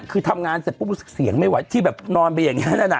คือทำงานเสร็จปุ๊บเสียงไม่ไหวที่แบบนอนไปอย่างเงี้ยนั่นอ่ะ